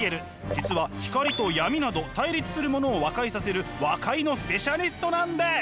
実は光と闇など対立するものを和解させる和解のスペシャリストなんです！